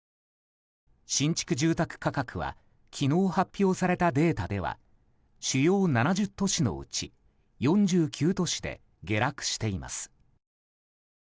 新築住宅価格は昨日発表されたデータでは主要７０都市のうち４９都市で下落しています。